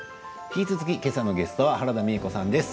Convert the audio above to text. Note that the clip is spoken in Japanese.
引き続き、今朝のゲストは原田美枝子さんです。